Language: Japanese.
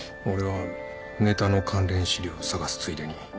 俺はネタの関連資料を探すついでに。